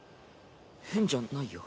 変じゃないよ。